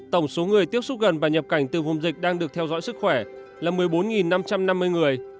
tổng số người tiếp xúc gần và nhập cảnh từ vùng dịch đang được theo dõi sức khỏe là một mươi bốn năm trăm năm mươi người